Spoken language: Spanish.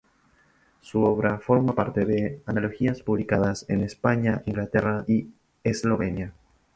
Su obra forma parte de antologías publicadas en España, Inglaterra y Eslovenia.